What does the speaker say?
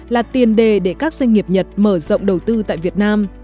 là tiền đề để các doanh nghiệp nhật mở rộng đầu tư tại việt nam